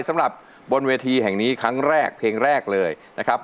สำหรับบนเวทีแห่งนี้ครั้งแรกเพลงแรกเลยนะครับ